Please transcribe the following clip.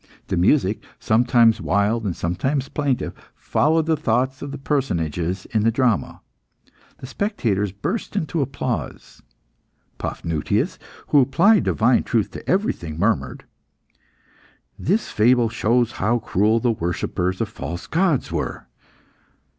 The music sometimes wild and sometimes plaintive followed the thoughts of the personages in the drama. The spectators burst into applause. Paphnutius, who applied divine truth to everything murmured "This fable shows how cruel the worshippers of false gods were."